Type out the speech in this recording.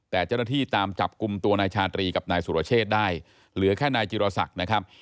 แต่เจ้าหน้าที่ตามจับกลุ่มตัวนายชาตรีกับนายสุรเชษได้เหลือแค่นายจิรศักดิ์นะครับ